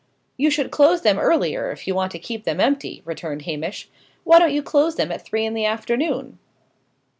"You should close them earlier, if you want to keep them empty," returned Hamish. "Why don't you close them at three in the afternoon?"